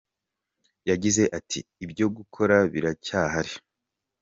Yagize ati “ Ibyo gukora biracyahari.